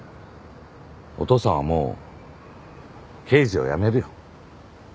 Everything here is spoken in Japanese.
お父さんはもう刑事を辞めるよ。